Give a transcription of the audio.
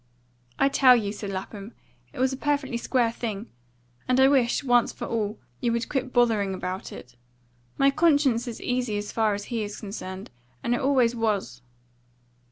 "I tell you," said Lapham, "it was a perfectly square thing. And I wish, once for all, you would quit bothering about it. My conscience is easy as far as he is concerned, and it always was."